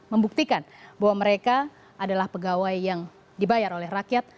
membuktikan bahwa mereka adalah pegawai yang dibayar oleh rakyat